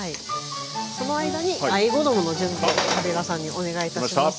その間にあえ衣の準備をカビラさんにお願いいたします。